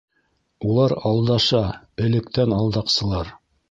— Улар алдаша, электән алдаҡсылар.